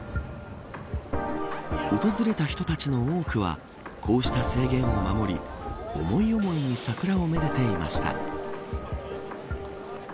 訪れた人たちの多くはこうした制限を守り思い思いに桜をめでていました。